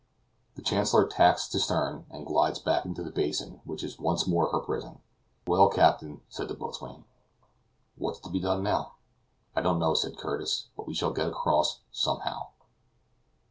The Chancellor tacks to stern, and glides back into the basin, which is once more her prison. "Well, captain," says the boatswain, "what's to be done now?" "I don't know," said Curtis, "but we shall get across somehow."